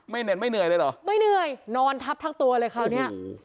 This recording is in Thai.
เหน็นไม่เหนื่อยเลยเหรอไม่เหนื่อยนอนทับทั้งตัวเลยคราวเนี้ย